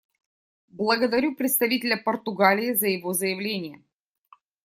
Благодарю представителя Португалии за его заявление.